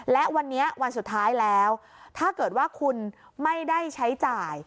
และวันนี้วันสุดท้ายแล้วถ้าเกิดว่าคุณไม่ได้ใช้จ่าย